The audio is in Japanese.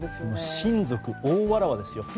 親族大わらわですよ。